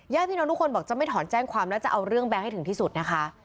ญาติพี่น้องทุกคนบอกจะไม่ถอนแจ้งความแล้วจะเอาเรื่องแบงค์ให้ถึงที่สุดนะคะ